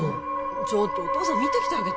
ちょっとお父さん見てきてあげて・